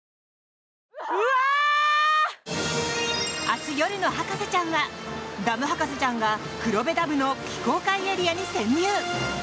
明日夜の「博士ちゃん」はダム博士ちゃんが黒部ダムの非公開エリアに潜入。